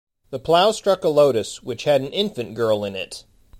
The plough struck a lotus, which had an infant girl in it.